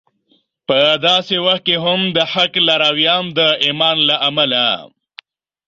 په داسې وخت کې هم د حق لارویان د ایمان له امله